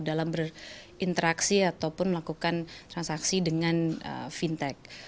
dalam berinteraksi ataupun melakukan transaksi dengan fintech